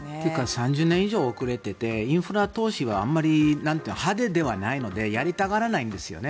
３０年以上遅れていてインフラ投資はあまり派手ではないのでやりたがらないんですね。